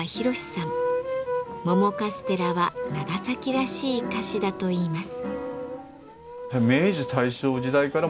桃カステラは長崎らしい菓子だといいます。